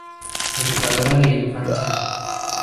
La educadora de la infancia.